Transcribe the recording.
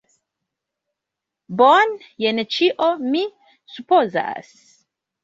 Bone, jen ĉio mi supozas!